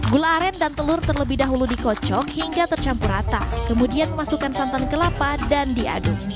gula aren dan telur terlebih dahulu dikocok hingga tercampur rata kemudian masukkan santan kelapa dan diaduk